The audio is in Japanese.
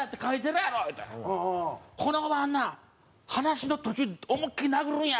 「このおばはんな話の途中で思いっきり殴るんや！」